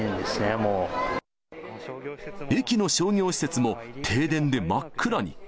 駅の商業施設も停電で真っ暗に。